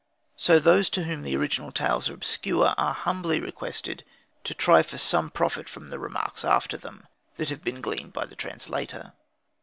So those to whom the original tales are obscure are humbly requested to try for some profit from the remarks after them, that have been gleaned by the translator.